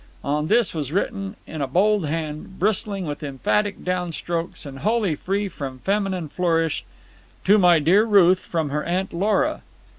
On this was written in a bold hand, bristling with emphatic down strokes and wholly free from feminine flourish: "To my dear Ruth from her Aunt Lora."